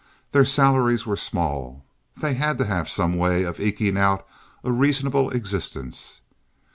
Their salaries were small. They had to have some way of eking out a reasonable existence.